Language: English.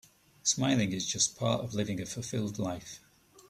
Smiling is just part of living a fulfilled life.